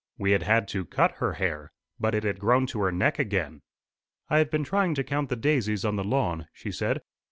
We had had to cut her hair, but it had grown to her neck again. "I have been trying to count the daisies on the lawn," she said.